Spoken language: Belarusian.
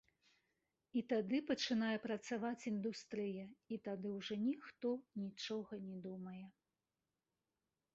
І тады пачынае працаваць індустрыя, і тады ўжо ніхто нічога не думае.